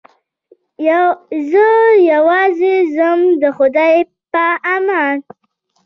زه یوازې ځم د خدای په امان.